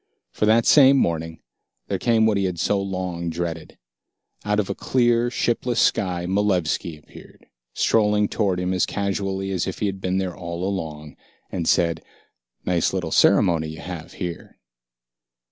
For that same morning, there came what he had so long dreaded. Out of a clear, shipless sky, Malevski appeared, strolling toward him as casually as if he had been there all along, and said, "Nice little ceremony you have here."